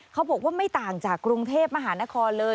เขาบอกว่าไม่ต่างจากกรุงเทพมหานครเลย